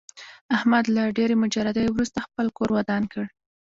احمد له ډېرې مجردۍ ورسته خپل کور ودان کړ.